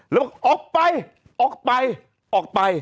แล้วบอกออกไปออกไปออกไป